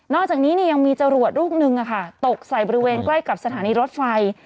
นอกจากนี้เนี่ยยังมีเจารวดลูกนึงอะค่ะตกใส่บริเวณใกล้กับสถานีรถไฟ